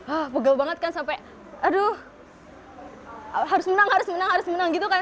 ah pegel banget kan sampai aduh harus menang harus menang harus menang gitu kan